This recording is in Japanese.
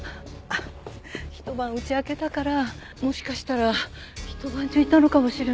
ひと晩家空けたからもしかしたらひと晩中いたのかもしれない。